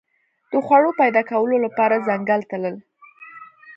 د خوړو پیدا کولو لپاره ځنګل تلل.